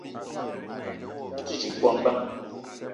O te dje bongo bang ?